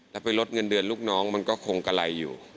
แล้วไปลดเงินเดือนลูกน้องมันก็คงกะไรอยู่